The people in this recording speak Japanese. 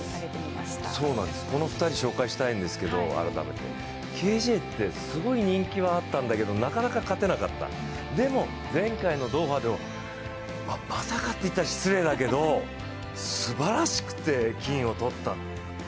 この２人改めて紹介したいんですけどＫ．Ｊって、すごい人気はあったんだけど、なかなか勝てなかった、でも前回のドーハでも、まさかって言ったら失礼だけどすばらしくて金を取った。